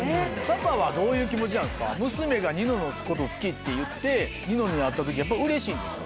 パパはどういう気持ちなんですか娘がニノのことを好きって言ってニノに会った時やっぱうれしいんですか？